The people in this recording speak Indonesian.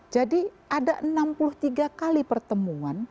jadi ada enam puluh tiga kali pertemuan